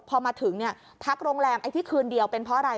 พอมาถึงเนี่ยทักโรงแรมไอ้ที่คืนเดียวเป็นเพราะอะไร